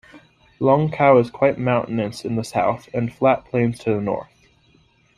Longkou is quite mountainous in the south and flat plains to the north.